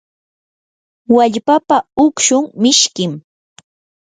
wallpapa ukshun mishkim.